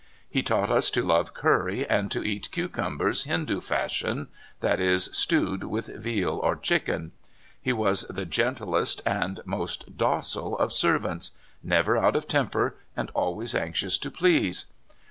He taught us to love curry and to eat cucinnbers Hindoo fashion — that is, stewed with veal or chicken. He was the gen 2 l8 CALIFORNIA SKETCHES. tlest and most docile of servants, never out of temper, and always anxious to please.